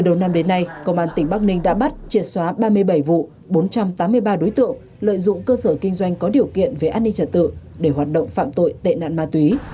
đầu năm đến nay công an tỉnh bắc ninh đã bắt triệt xóa ba mươi bảy vụ bốn trăm tám mươi ba đối tượng lợi dụng cơ sở kinh doanh có điều kiện về an ninh trật tự để hoạt động phạm tội tệ nạn ma túy